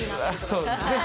そうですね。